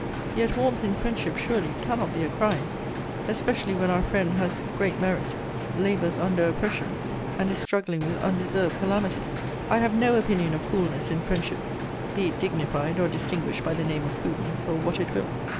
Yet warmth in friendship, surely, cannot be a crime; especially when our friend has great merit, labours under oppression, and is struggling with undeserved calamity. I have no opinion of coolness in friendship, be it dignified or distinguished by the name of prudence, or what it will.